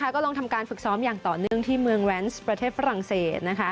ก็ลองทำการฝึกซ้อมอย่างต่อเนื่องที่เมืองแวนซ์ประเทศฝรั่งเศส